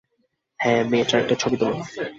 হ্যাঁ, মেয়েটার একটা ছবি তোলো।